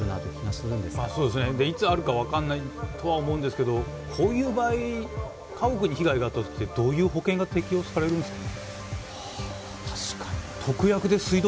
いつあるか分からないとは思うんですがこういう場合、家屋に被害があった場合どういう保険が適用されるんですかね。